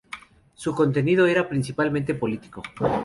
Su contenido era principalmente político.